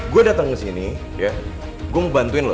gue dateng kesini gue mau bantuin lo